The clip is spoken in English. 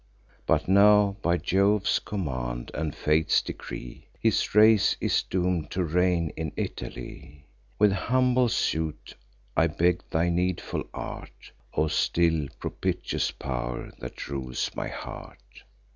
But now, by Jove's command, and fate's decree, His race is doom'd to reign in Italy: With humble suit I beg thy needful art, O still propitious pow'r, that rules my heart!